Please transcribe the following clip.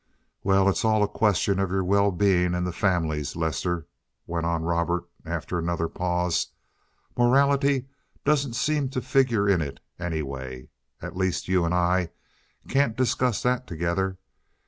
"Well, it's all a question of your own well being and the family's, Lester," went on Robert, after another pause. "Morality doesn't seem to figure in it anyway—at least you and I can't discuss that together.